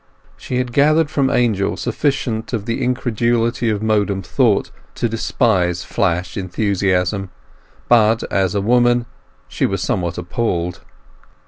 She had gathered from Angel sufficient of the incredulity of modern thought to despise flash enthusiasm; but, as a woman, she was somewhat appalled.